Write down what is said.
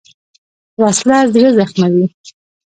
وسله زړه زخموي